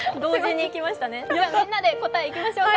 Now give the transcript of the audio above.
みんなで答えいきましょうか。